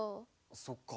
そっか。